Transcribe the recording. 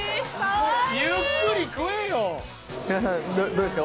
どうですか？